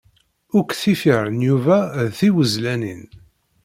Akk tifyar n Yuba d tiwezlanin.